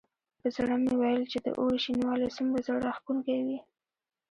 په زړه مې ویل چې د اوړي شینوالی څومره زړه راښکونکی وي.